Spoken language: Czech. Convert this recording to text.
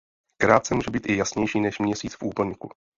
Krátce může být i jasnější než Měsíc v úplňku.